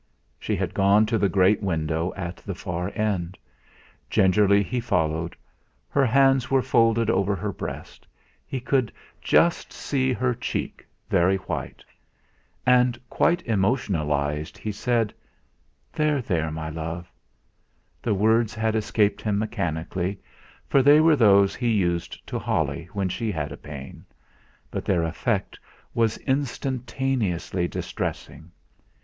She had gone to the great window at the far end. Gingerly he followed. Her hands were folded over her breast; he could just see her cheek, very white. And, quite emotionalized, he said: "There, there, my love!" The words had escaped him mechanically, for they were those he used to Holly when she had a pain, but their effect was instantaneously distressing.